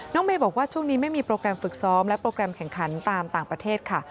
เมย์บอกว่าช่วงนี้ไม่มีโปรแกรมฝึกซ้อมและโปรแกรมแข่งขันตามต่างประเทศค่ะ